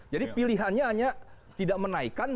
jadi pilihannya hanya tidak menaikan